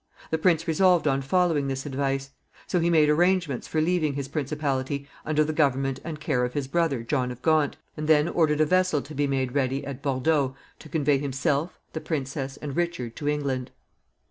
The prince resolved on following this advice. So he made arrangements for leaving his principality under the government and care of his brother, John of Gaunt, and then ordered a vessel to be made ready at Bordeaux to convey himself, the princess, and Richard to England.